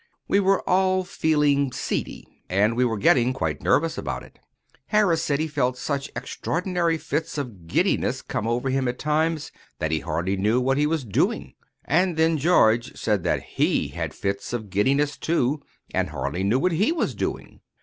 We were all feeling seedy, and we were getting quite nervous about it. Harris said he felt such extraordinary fits of giddiness come over him at times, that he hardly knew what he was doing; and then George said that he had fits of giddiness too, and hardly knew what he was doing.